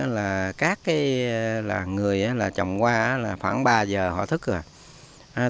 là người là trồng hoa là khoảng ba giờ họ thức rồi